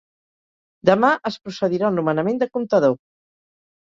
Demà es procedirà al nomenament de comptador.